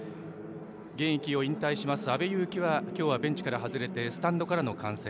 現役を引退します、阿部勇樹は今日はベンチから外れてスタンドからの観戦。